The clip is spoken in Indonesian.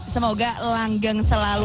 semoga langgeng selalu